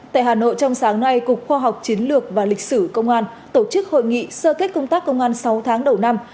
tại hà nội trong sáng nay cục khoa học chiến lược và lịch sử công an tổ chức hội nghị sơ kết công tác công an sáu tháng đầu năm